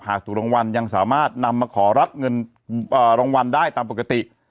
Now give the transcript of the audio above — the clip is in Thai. ถูกรางวัลยังสามารถนำมาขอรับเงินรางวัลได้ตามปกติ